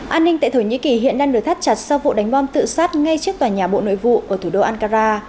an ninh tại thổ nhĩ kỳ hiện đang được thắt chặt sau vụ đánh bom tự sát ngay trước tòa nhà bộ nội vụ ở thủ đô ankara